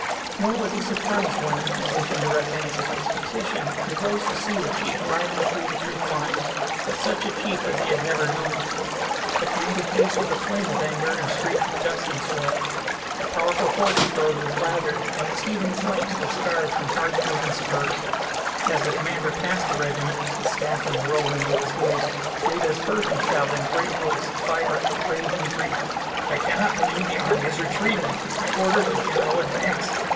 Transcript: Nor was he surprised when, as if in direct answer to his petition, he rose to see the chief riding through the troop lines, but such a chief as he had never known before. The kindly face was aflame with anger, and streaked with dust and sweat. The powerful horse he rode was lathered, and its heaving flanks were scarred from hard driven spurs. As the commander passed the regiment, his staff in a whirlwind at his heels, Jabez heard him shout in a great voice vibrant with rage and grief: "I cannot believe the army is retreating. I ordered a general advance.